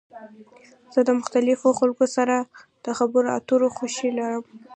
زه د مختلفو خلکو سره د خبرو اترو خوښی لرم.